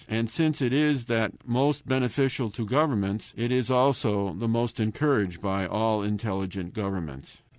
And since it is that most beneficial to governments, it is also the most encouraged by all intelligent governments.